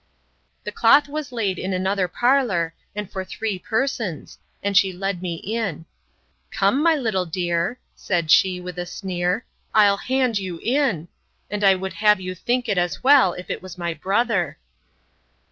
The cloth was laid in another parlour, and for three persons, and she led me in: Come, my little dear, said she, with a sneer, I'll hand you in; and I would have you think it as well as if it was my brother.